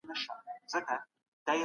ډاکتران د خلکو د درملنې هڅه کوي.